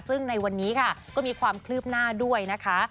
ซึ่งในวันนี้ค่ะก็มีความคืบหน้าด้วยนะคะ